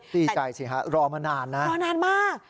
ดีใจใช่ไหมรอมานานนะ